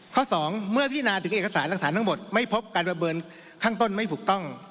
ข้อ๒เมื่อพินาถึงเอกสารหลักฐานทั้งหมดไม่พบการประเมินข้างต้นไม่ถูกต้อง